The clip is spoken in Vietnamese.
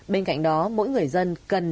bên cạnh đó mỗi người dân cần